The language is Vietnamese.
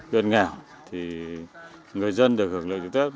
gần nghèo người dân được hưởng lợi trực tiếp